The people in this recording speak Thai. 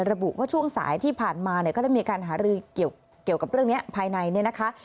ระบุว่าช่วงสายที่ผ่านมาเนี่ยก็ได้มีการหารือเกี่ยวกับเรื่องนี้ภายในเนี่ยนะคะ